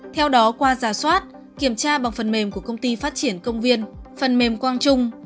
theo đó qua giả soát kiểm tra bằng phần mềm của công ty phát triển công viên phần mềm quang trung